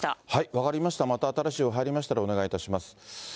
分かりました、また新しい情報入りましたらお願いいたします。